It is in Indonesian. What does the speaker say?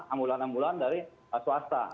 ambulan ambulan dari swasta